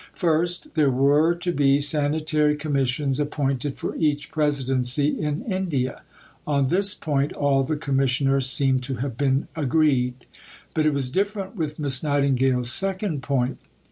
First, there were to be Sanitary Commissions appointed for each Presidency in India. On this point, all the Commissioners seem to have been agreed; but it was different with Miss Nightingale's second point.